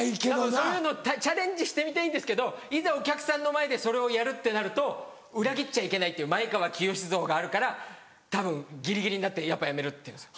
そういうのチャレンジしてみたいんですけどいざお客さんの前でそれをやるってなると裏切っちゃいけないっていう前川清像があるからたぶんギリギリになってやっぱやめるって言うんですよ。